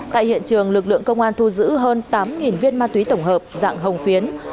tại hiện trường lực lượng công an thu giữ hơn tám viên ma túy tổng hợp dạng hồng phiến